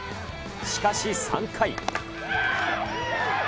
しかし、３回。